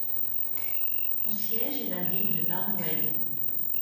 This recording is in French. Son siège est la ville de Barnwell.